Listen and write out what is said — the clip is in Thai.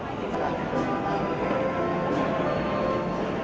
ขอบคุณทุกคนมากครับที่ทุกคนรัก